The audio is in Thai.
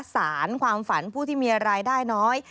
สารความฝันผู้ที่มีรายได้น้อย